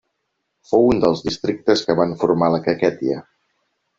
Fou un dels districtes que van formar la Kakhètia.